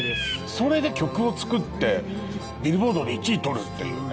それで曲を作ってビルボードで１位取るっていうね。